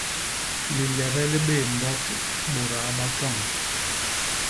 Lilebe li bé mbot bôdaa ba kwañ.